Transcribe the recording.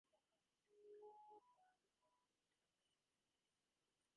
The protein component of the Vechur cow's milk has an improved antimicrobial property.